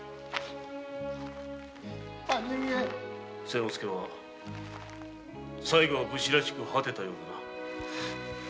誠之助は最後は武士らしく果てたようだな。